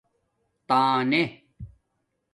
تنݵے